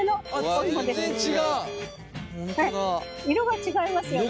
色が違いますよね。